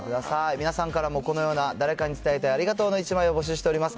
皆さんからもこのような誰かに伝えたいありがとうの１枚を募集しています。